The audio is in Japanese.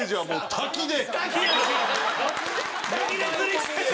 滝で釣りしてる！